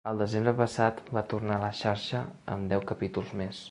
El desembre passat va tornar a la xarxa amb deu capítols més.